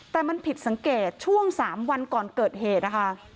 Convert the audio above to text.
แต่มันผิดสังเกตช่วง๓วันก่อนเกิดเหตุนะคะ